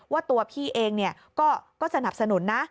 ว่าตัวพี่เองก็สนับสนุนนะ